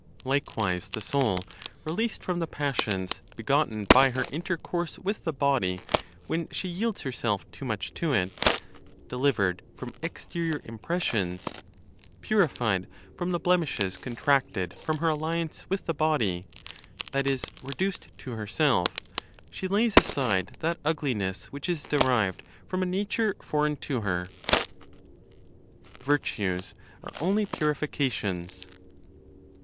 Likewise the soul, released from the passions begotten by her intercourse with the body when she yields herself too much to it, delivered from exterior impressions, purified from the blemishes contracted from her alliance with the body that is, reduced to herself, she lays aside that ugliness which is derived from a nature foreign to her. VIRTUES ARE ONLY PURIFICATIONS.